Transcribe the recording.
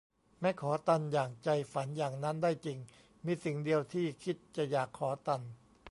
แม้ขอตัน อย่างใจฝันอย่างนั้นได้จริง มีสิ่งเดียว ที่คิดจะอยากขอตัน